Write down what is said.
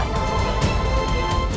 rangkap buah anak